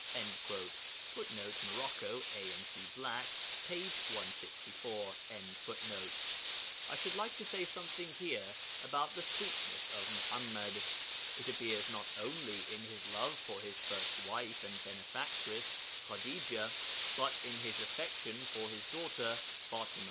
[Footnote: Morocco (A. & C. Black), p. 164.] I should like to say something here about the sweetness of Muḥammad. It appears not only in his love for his first wife and benefactress, Khadijah, but in his affection for his daughter, Fatima.